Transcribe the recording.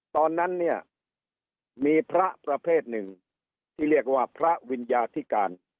ตอนนั้นเนี่ยมีพระประเภทหนึ่งที่เรียกว่าพระวิญญาธิการ